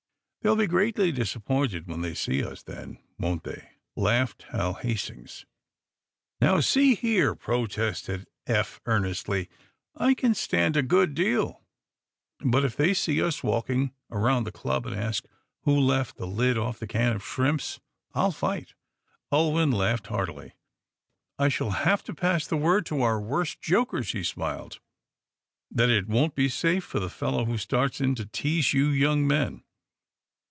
"They'll be greatly disappointed, when they see us, then, won't they?" laughed Hal Hastings. "Now, see here," protested Eph, earnestly, "I can stand a good deal. But, if they see us walking around the club, and ask who left the lid off the can of shrimps I'll fight!" Ulwin laughed heartily. "I shall have to pass the word to our worst jokers," he smiled, "that it won't be safe for the fellow who starts in to tease you young men."